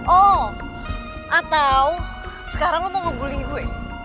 oh atau sekarang lo mau ngebully gue